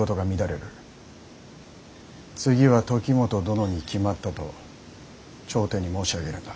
次は時元殿に決まったと朝廷に申し上げるんだ。